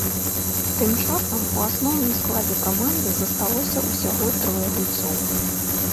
Тым часам у асноўным складзе каманды засталося ўсяго трое гульцоў.